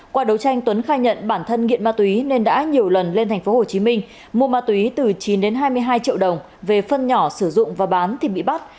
qua đấu tranh tuấn khai nhận bản thân nghiện ma túy nên đã nhiều lần lên tp hcm mua ma túy từ chín hai mươi hai triệu đồng về phân nhỏ sử dụng và bán thì bị bắt